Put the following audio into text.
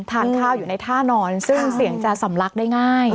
ทานข้าวอยู่ในท่านอนซึ่งเสียงจะสำลักได้ง่าย